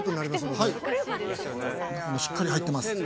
中もしっかり入ってます。